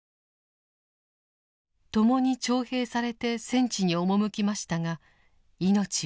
ともに徴兵されて戦地に赴きましたが命を落としました。